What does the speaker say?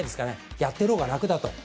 やっているほうが楽だと。